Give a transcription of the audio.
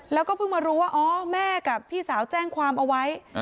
แล้วก็เพิ่งมารู้ว่าอ๋อแม่กับพี่สาวแจ้งความเอาไว้